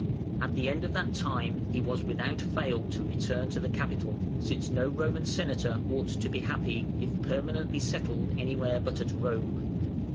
At the end of that time he was without fail to return to the capital, since no Roman Senator ought to be happy if permanently settled anywhere but at Rome.